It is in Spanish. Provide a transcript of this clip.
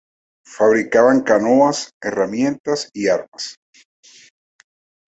Fabricaban canoas, herramientas y armas.